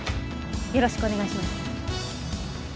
よろしくお願いします。